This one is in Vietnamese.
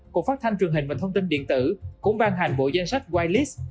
cộng phát thanh truyền hình và thông tin điện tử cũng ban hành bộ danh sách white list